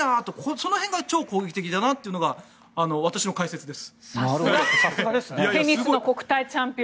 その辺が超攻撃的だなというのが私の解説です。